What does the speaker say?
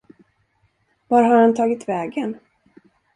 Vart har han tagit vägen?